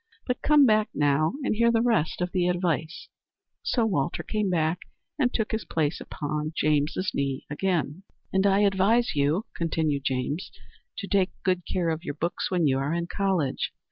But come back now and hear the rest of the advice." So Walter came back and took his place again upon James's knee. "And I advise you," continued James, "to take good care of your books when you are in college.